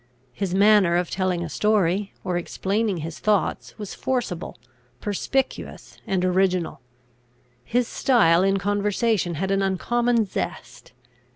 His manner of telling a story, or explaining his thoughts, was forcible, perspicuous, and original: his style in conversation had an uncommon zest.